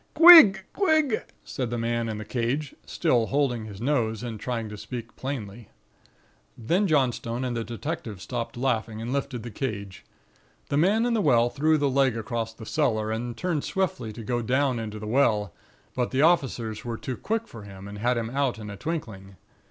"'Quig! quig!' said the man in the cage, still holding his nose, and trying to speak plainly. "Then Johnstone and the detective stopped laughing, and lifted the cage. The man in the well threw the leg across the cellar, and turned swiftly to go down into the well; but the officers were too quick for him, and had him out in a twinkling.